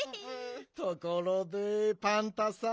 ところでパンタさん。